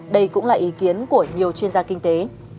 đây cũng là ý kiến của nhiều chuyên gia kinh tế